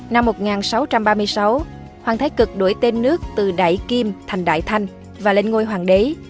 năm một nghìn sáu trăm ba mươi sáu hoàng thái cực đổi tên nước từ đại kim thành đại thanh và lên ngôi hoàng đế